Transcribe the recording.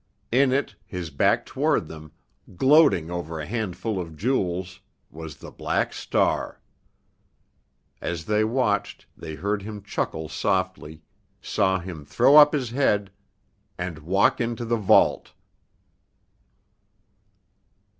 In it, his back toward them, gloating over a handful of jewels, was—the Black Star! As they watched, they heard him chuckle softly, saw him throw up his head—and walk into the vault!